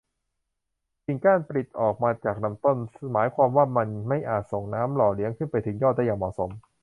กิ่งก้านปลิดออกมาจากลำต้น หมายความว่ามันไม่อาจส่งน้ำหล่อเลี้ยงขึ้นไปถึงยอดได้อย่างเหมาะสม